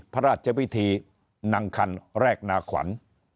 พระราชวิธีนางคันแรกนาขวัญ